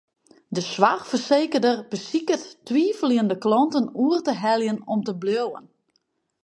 De soarchfersekerder besiket twiveljende klanten oer te heljen om te bliuwen.